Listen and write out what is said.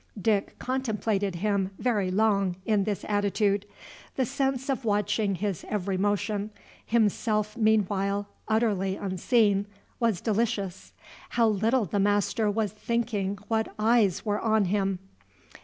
Dick contemplated him very long in this attitude. The sense of watching his every motion, himself meanwhile utterly unseen, was delicious. How little the master was thinking what eyes were on him!